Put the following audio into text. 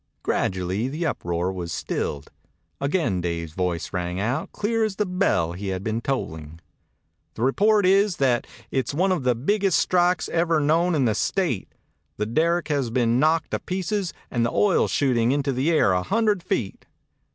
Gradually the uproar was stilled. Again Dave's voice rang out clear as the bell he had been tolling. "The report is that it's one of the biggest strikes ever known in the State. The derrick has been knocked to pieces and the oil's shooting into the air a hundred feet."